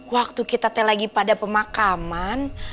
waktu kita teh lagi pada pemakaman